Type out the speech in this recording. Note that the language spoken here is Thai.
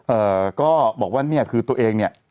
เอ่อก็บอกว่าเนี่ยคือตัวเองเนี่ย